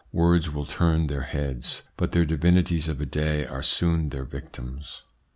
Words will turn their heads, but their divinities of a day are soon their victims.